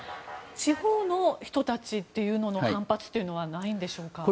地方の人たちというのの反発というのはないんでしょうか。